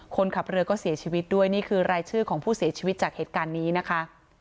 คนขับเรือก็เสียชีวิตด้วยนี่คือรายชื่อของผู้เสียชีวิตจากเหตุการณ์นี้นะคะ